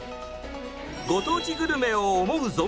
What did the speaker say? ご当地グルメを思う存分味わっても。